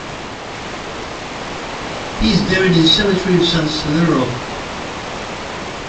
He is buried in cemetery of San Severo.